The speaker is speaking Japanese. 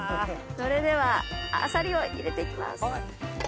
それではあさりを入れていきます。